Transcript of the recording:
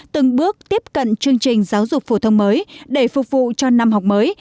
từng bước tiếp cận chương trình giáo dục phổ thông mới để phục vụ cho năm học mới